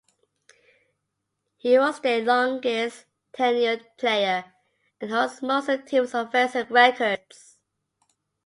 He was their longest tenured player and holds most of the team's offensive records.